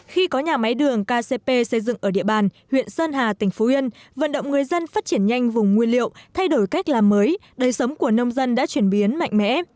khi có nhà máy đường kcp xây dựng ở địa bàn huyện sơn hà tỉnh phú yên vận động người dân phát triển nhanh vùng nguyên liệu thay đổi cách làm mới đời sống của nông dân đã chuyển biến mạnh mẽ